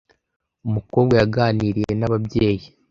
Umukobwa yaganiriye n'ababyeyi